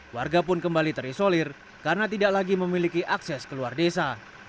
warga pun kembali terisolir karena tidak lagi memiliki akses ke luar desa